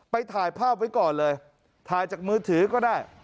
ถ่ายภาพไว้ก่อนเลยถ่ายจากมือถือก็ได้